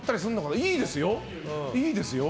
いいですよ。